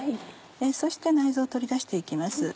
そして内臓を取り出して行きます。